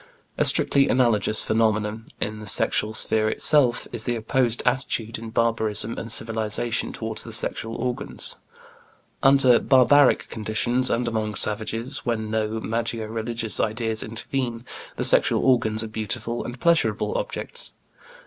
A strictly analogous phenomenon, in the sexual sphere itself, is the opposed attitude in barbarism and civilization toward the sexual organs. Under barbaric conditions and among savages, when no magico religious ideas intervene, the sexual organs are beautiful and pleasurable objects.